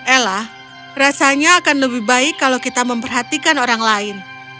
ella rasanya akan lebih baik kalau kita memperhatikan orang lain